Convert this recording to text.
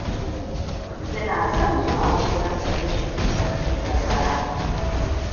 Ina son zuwa gonarsa lokacin hutun bazara.